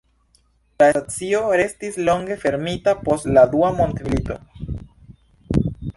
La stacio restis longe fermita post la Dua mondmilito.